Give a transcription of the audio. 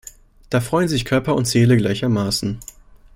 Da freuen sich Körper und Seele gleichermaßen!